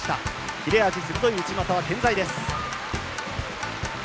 切れ味鋭い内股は健在です。